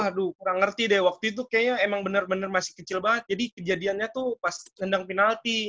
aduh kurang ngerti deh waktu itu kayaknya emang bener bener masih kecil banget jadi kejadiannya tuh pas sedang penalti